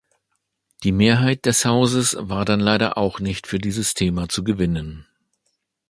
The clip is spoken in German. Die Mehrheit des Hauses war dann leider auch nicht für dieses Thema zu gewinnen.